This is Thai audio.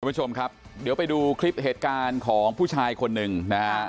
ผู้ชมครับเดี๋ยวไปดูคลิปเหตุการณ์ของผู้ชายคนหนึ่งนะฮะ